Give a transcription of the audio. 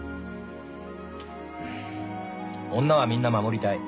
女はみんな守りたい。